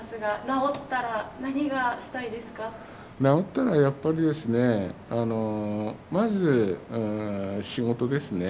治ったらやっぱりですねあのまず仕事ですね。